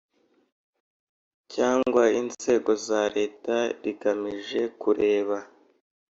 Cyangwa inzego za leta rigamije kureba